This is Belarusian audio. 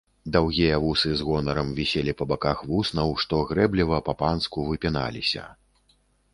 Даўгія вусы з гонарам віселі па баках вуснаў, што грэбліва, па-панску, выпіналіся.